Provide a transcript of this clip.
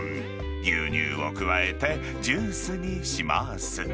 牛乳を加えてジュースにします。